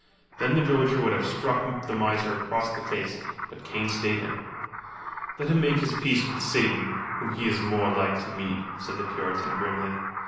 Then the villager would have struck the miser across across the face, but Kane stayed him. "Let him make his peace with Satan, whom he is more like to meet," said the Puritan grimly.